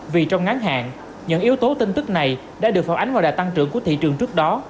vì trong ngắn hạn những yếu tố tin tức này đã được phản ánh vào đạt tăng trưởng của thị trường trước đó